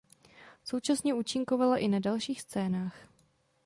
Současně účinkovala i na dalších scénách.